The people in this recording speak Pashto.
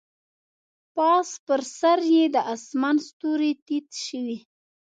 پاس پر سر یې د اسمان ستوري تت شوي